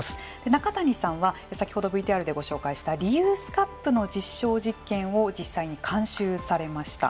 中谷さんは先ほどＶＴＲでご紹介したリユースカップの実証実験を実際に監修されました。